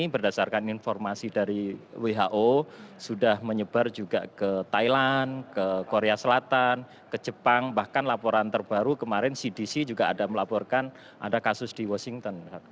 pernah datang dari negara yang terjangkit